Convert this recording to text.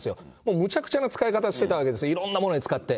むちゃくちゃな使い方してたんですよ、いろんなものに使って。